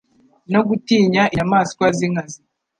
no gutinya inyamaswa z'inkazi